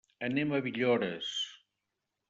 Anem a Villores.